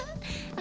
あ。